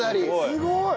すごい。